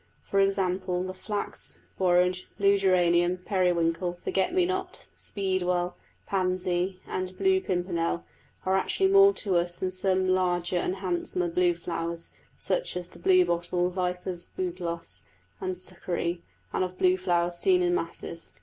For example, the flax, borage, blue geranium, periwinkle, forget me not, speedwell, pansy and blue pimpernel, are actually more to us than some larger and handsomer blue flowers, such as the blue bottle, vipers' bugloss, and succory, and of blue flowers seen in masses.